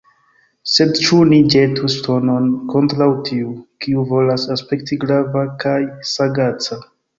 Sed ĉu ni ĵetu ŝtonon kontraŭ tiu, kiu volas aspekti grava kaj sagaca?